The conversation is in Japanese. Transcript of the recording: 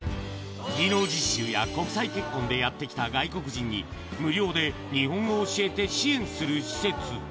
技能実習や国際結婚でやって来た外国人に、無料で日本語を教えて支援する施設。